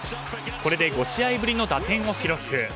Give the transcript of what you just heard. これで５試合ぶりの打点を記録。